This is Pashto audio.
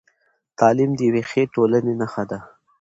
تعلیم د یوې ښې ټولنې نښه ده.